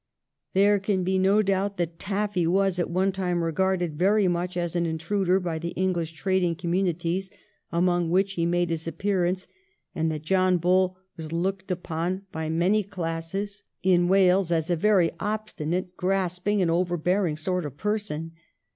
There can be no doubt that Tafiy was, at one time, regarded very much as an intruder by the English trading communities among which he made his appearance, and that John Bull was looked upon by many classes 328 THE REIGN OF QUEEN ANNE. ch. xxxvt. in Wales as a very obstinate, grasping, and overbear ing sort of person.